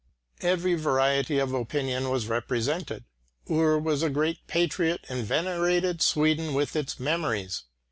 Every variety of opinion was represented. Ur was a great patriot and venerated Sweden with its memories.